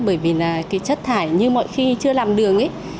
bởi vì là cái chất thải như mọi khi chưa làm đường ấy